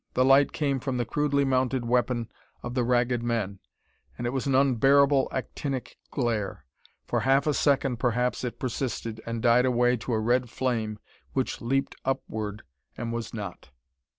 The light came from the crudely mounted weapon of the Ragged Men, and it was an unbearable actinic glare. For half a second, perhaps, it persisted, and died away to a red flame which leaped upward and was not.